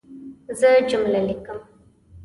زه جمله لیکم.